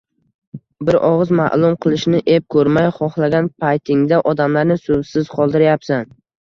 Bir ogʻiz maʼlum qilishni ep koʻrmay, xohlagan paytingda odamlarni suvsiz qoldirayapsan.